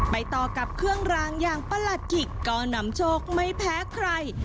ไปต่อกับเครื่องรางอย่างประหลัดขิกก็นำโชคไม่แพ้ใคร